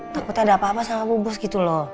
takutnya ada apa apa sama bu bos gitu loh